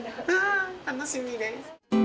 楽しみです。